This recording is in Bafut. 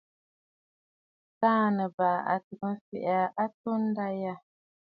Taà Nɨ̀bàʼà a tɨgə mfee aa atunda yâ.